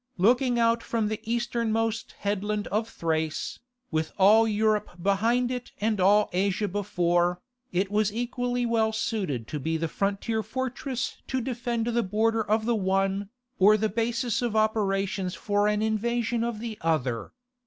Looking out from the easternmost headland of Thrace, with all Europe behind it and all Asia before, it was equally well suited to be the frontier fortress to defend the border of the one, or the basis of operations for an invasion from the other.